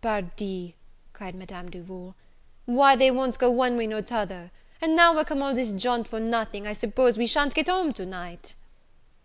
"Pardi," cried Madame Duval, "why, they won't go one way nor t'other! and now we're come all this jaunt for nothing, I suppose we shan't get home to night!"